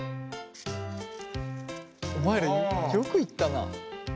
お前らよくいったな。